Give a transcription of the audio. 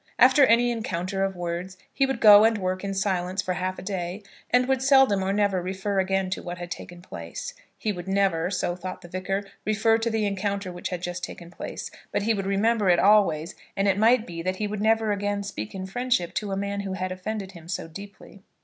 After any encounter of words he would go and work in silence for half a day, and would seldom or never refer again to what had taken place; he would never, so thought the Vicar, refer to the encounter which had just taken place; but he would remember it always, and it might be that he would never again speak in friendship to a man who had offended him so deeply.